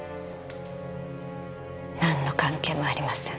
なんの関係もありません。